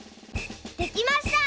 できました！